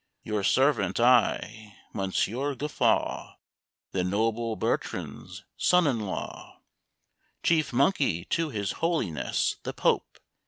Your servant I, Monsieur Guffaw, The noble Bertrand's son in law, Chief monkey to his Holiness The Pope.